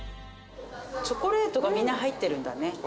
チョコレートがみんな入ってるんだね。